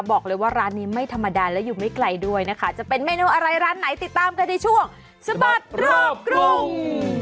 บอกเลยว่าร้านนี้ไม่ธรรมดาและอยู่ไม่ไกลด้วยนะคะจะเป็นเมนูอะไรร้านไหนติดตามกันในช่วงสะบัดรอบกรุง